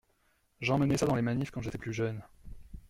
J’emmenais ça dans les manifs quand j’étais plus jeune.